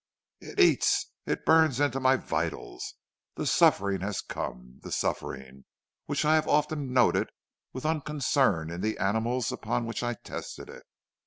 "'It eats it burns into my vitals. The suffering has come, the suffering which I have often noted with unconcern in the animals upon which I tested it.